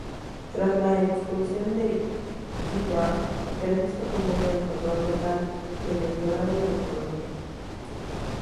Tras la expulsión de Gebhard, Ernesto tomó el control total del Electorado del Colonia.